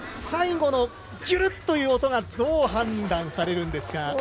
最後のギュルッという音がどう判断されるか。